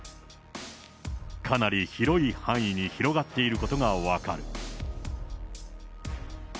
かなり広い範囲に広がっていることが分かる。